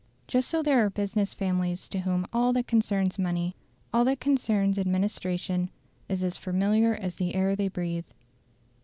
Just so there are business families to whom all that concerns money, all that concerns administration, is as familiar as the air they breathe.